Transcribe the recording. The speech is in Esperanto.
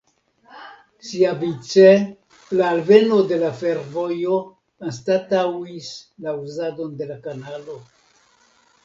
Siavice la alveno de la fervojo anstataŭis la uzadon de la kanalo.